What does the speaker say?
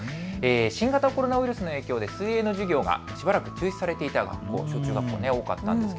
新型コロナウイルスの影響で水泳の授業がしばらく中止されていた学校、多かったと思うんです。